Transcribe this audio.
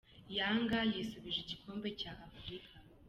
Yanga yisubije igikombe cya afurika